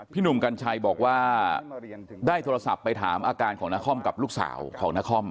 หนุ่มกัญชัยบอกว่าได้โทรศัพท์ไปถามอาการของนครกับลูกสาวของนคร